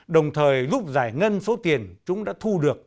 đồng thời giúp giải ngân số tiền chúng đã thu được